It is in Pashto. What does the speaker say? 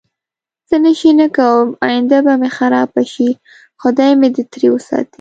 زه نشی نه کوم اینده به می خرابه شی خدای می دی تری وساتی